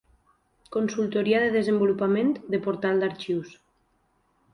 Consultoria de desenvolupament de Portal d'Arxius.